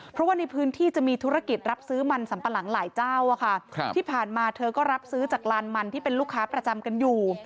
เพราะว่าในพื้นที่จะมีธุรกิจรับซื้อมันสัมปะหลังหลายเจ้าอะค่ะที่ผ่านมาเธอก็รับซื้อจากลานมันที่เป็นลูกค้าประจำกันอยู่